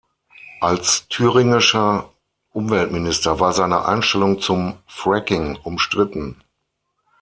Als thüringischer Umweltminister war seine Einstellung zum Fracking umstritten.